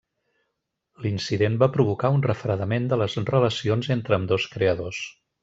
L'incident va provocar un refredament de les relacions entre ambdós creadors.